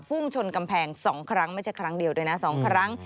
พุ่งชนกำแพง๒ครั้งไม่ใช่ครั้งเดียวด้วยนะ๒ครั้ง